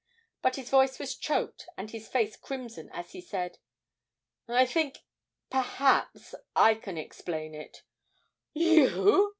But his voice was choked and his face crimson as he said, 'I think perhaps I can explain it.' 'You!'